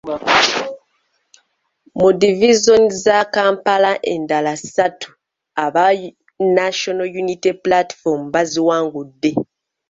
Mu divizoni za Kampala endala esatu aba National Unity Platform baziwangudde.